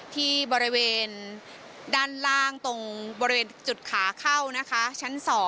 ที่บริเวณด้านล่างตรงบริเวณจุดขาเข้านะคะชั้น๒